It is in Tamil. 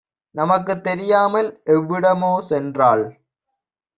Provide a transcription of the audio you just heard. நமக்கும் தெரியாமல் எவ்விடமோ சென்றாள்.